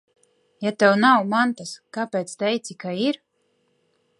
Ja tev nav mantas, kāpēc teici, ka ir?